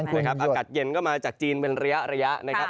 อากาศเย็นก็มาจากจีนเป็นระยะนะครับ